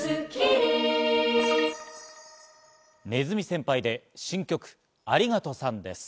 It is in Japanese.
鼠先輩で新曲、『ありがとさん』です。